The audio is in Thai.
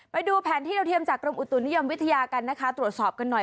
ไปดูแผนที่เราเทียมจากกรมอุตุนิยมวิทยากันนะคะตรวจสอบกันหน่อย